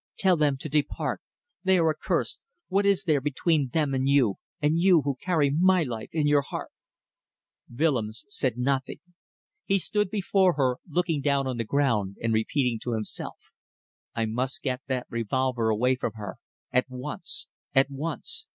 "Tell them to depart. They are accursed. What is there between them and you and you who carry my life in your heart!" Willems said nothing. He stood before her looking down on the ground and repeating to himself: I must get that revolver away from her, at once, at once.